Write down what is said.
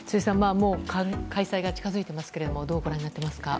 もう、開催が近づいていますがどうご覧になってますか？